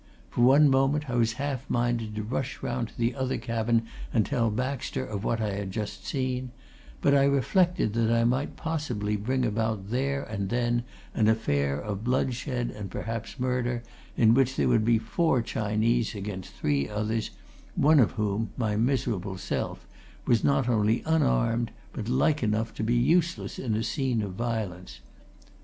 For one moment I was half minded to rush round to the other cabin and tell Baxter of what I had just seen but I reflected that I might possibly bring about there and then an affair of bloodshed and perhaps murder in which there would be four Chinese against three others, one of whom my miserable self was not only unarmed, but like enough to be useless in a scene of violence.